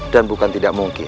dan bukan tidak mungkin